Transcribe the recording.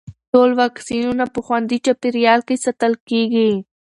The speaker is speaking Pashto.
ټول واکسینونه په خوندي چاپېریال کې ساتل کېږي.